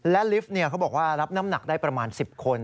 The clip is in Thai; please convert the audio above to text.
และลิฟต์เขาบอกว่ารับน้ำหนักได้ประมาณ๑๐คน